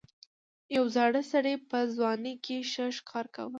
یو زاړه سړي په ځوانۍ کې ښه ښکار کاوه.